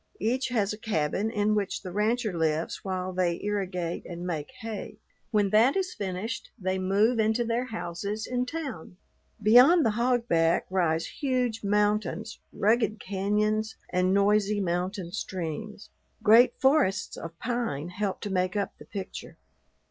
Each has a cabin in which the rancher lives while they irrigate and make hay. When that is finished they move into their houses in "town." Beyond the hogback rise huge mountains, rugged cañons, and noisy mountain streams; great forests of pine help to make up the picture.